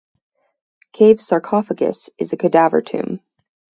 Cave's sarcophagus is a cadaver tomb.